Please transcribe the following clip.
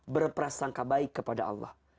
berprasangka baik kepada allah